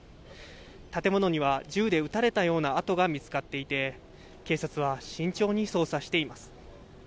建物には、銃で撃たれたような痕が見つかっていて、警察は慎重に捜査しています。